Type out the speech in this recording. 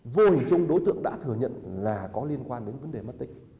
vô hình chung đối tượng đã thừa nhận là có liên quan đến vấn đề mất tích